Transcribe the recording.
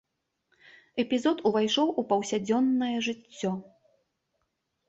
Эпізод увайшоў у паўсядзённае жыццё.